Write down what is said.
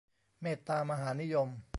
เมตตามหานิยม